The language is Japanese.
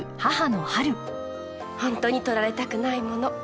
本当にとられたくないもの。